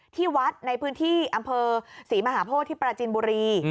ที่วัดในพื้นที่อำเภอศรีมหาโพธิที่ปราจินบุรี